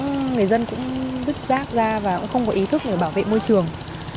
người dân cũng vứt rác ra và cũng không có ý thức để bảo vệ môi trường